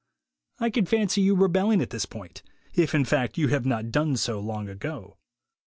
I can fancy your rebelling al this point, if, in fact, you have not done so lonf 3 ago.